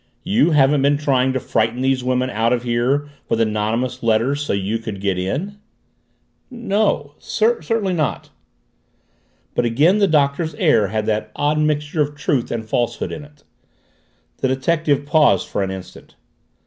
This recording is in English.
"You haven't been trying to frighten these women out of here with anonymous letters so you could get in?" "No. Certainly not." But again the Doctor's air had that odd mixture of truth and falsehood in it. The detective paused for an instant.